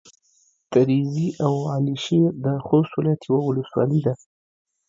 تريزي او على شېر د خوست ولايت يوه ولسوالي ده.